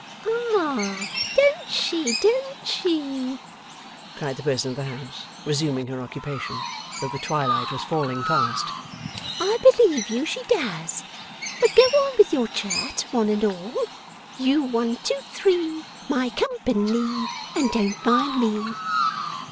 'Ah! Don't she, don't she?' cried the person of the house, resuming her occupation, though the twilight was falling fast. 'I believe you she does! But go on with your chat, one and all: You one two three, My com pa nie, And don't mind me.